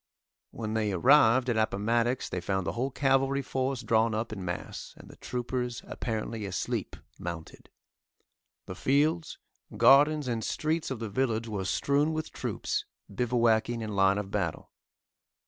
When they arrived at Appomattox they found the whole cavalry force drawn up in mass, and the troopers apparently asleep mounted. The fields, gardens and streets of the village were strewn with troops, bivouacing in line of battle.